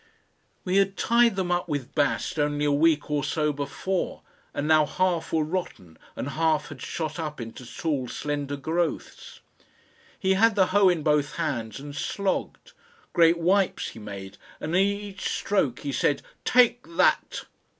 We had tied them up with bast only a week or so before, and now half were rotten and half had shot up into tall slender growths. He had the hoe in both hands and slogged. Great wipes he made, and at each stroke he said, "Take that!"